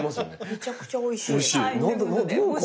めちゃくちゃおいしい。